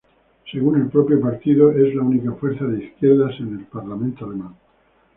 Según el propio partido, es la "única fuerza de izquierdas" en el parlamento alemán.